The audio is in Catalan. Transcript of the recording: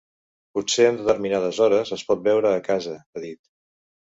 Potser en determinades hores es pot beure a casa, ha dit.